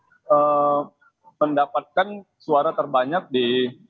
yang mendapatkan suara terbanyak di